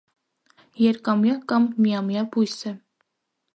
Երկամյա կամ միամյա բույս է։